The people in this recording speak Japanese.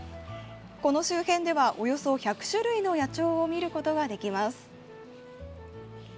この周辺ではおよそ１００種類の野鳥を見ることができます。